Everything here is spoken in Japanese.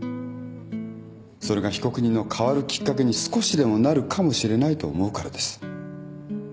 それが被告人の変わるきっかけに少しでもなるかもしれないと思うからです。